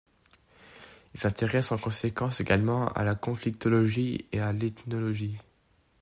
Il s'intéresse en conséquence également à la conflictologie et à l'ethnologie.